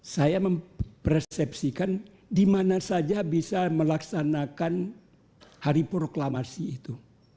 saya mempersiapkan di mana saja bisa melaksanakan hari proklamasi itu